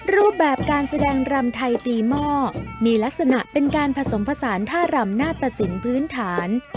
รูปแบบการแสดงรำไทยตีหม้อมีลักษณะเป็นการผสมผสานท่ารำหน้าตสินพื้นฐาน